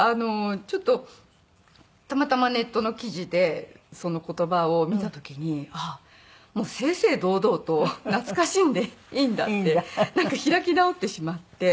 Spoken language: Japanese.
ちょっとたまたまネットの記事でその言葉を見た時にあっ正々堂々と懐かしんでいいんだってなんか開き直ってしまって。